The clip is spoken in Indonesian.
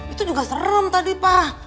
itu juga serem tadi pak